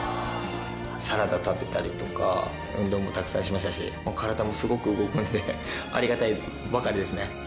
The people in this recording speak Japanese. サラダ食べたりとか運動もたくさんしましたし体もすごく動くんでありがたいばかりですね。